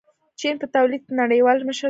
چین په تولید کې نړیوال مشر دی.